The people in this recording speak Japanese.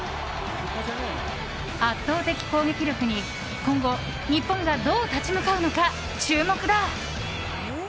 圧倒的攻撃力に今後、日本がどう立ち向かうのか注目だ。